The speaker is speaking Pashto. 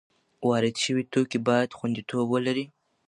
وارد شوي توکي باید خوندیتوب ولري.